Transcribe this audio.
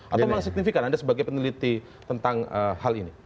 atau memang signifikan anda sebagai peneliti tentang hal ini